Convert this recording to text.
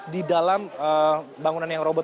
di dalam bangunan yang robot